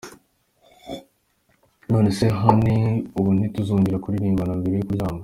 Nonese Honey ubu ntituzongera kuririmbana mbere yo kuryama??